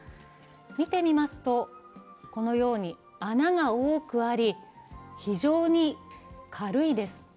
見てみますとこのように穴が多くあり非常に軽いです。